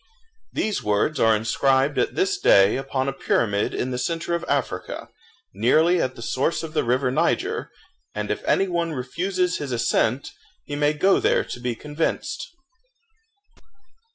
These words are inscribed at this day upon a pyramid in the centre of Africa, nearly at the source of the river Niger; and if any one refuses his assent, he may go there to be convinced.